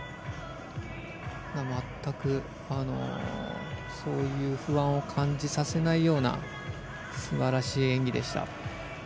全くそういう不安を感じさせないようなすばらしい演技でした。